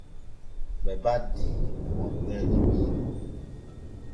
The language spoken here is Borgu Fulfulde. Ɓe baddii e Monpee Emiili.